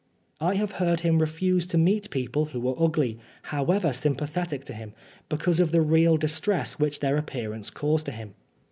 I have heard him refuse to meet people who were ugly, however sympathetic to him, because of the real distress which their appearance caused to him.